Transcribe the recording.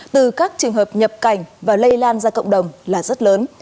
từ các trường hợp nhập cảnh và lây lan ra cộng đồng là rất lớn